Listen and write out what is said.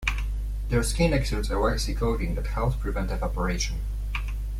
Their skin exudes a waxy coating that helps prevent evaporation.